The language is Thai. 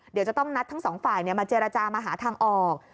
เดี๋ยวจะต้องนัดทั้งสองฝ่ายมาเจรจามาหาทางออก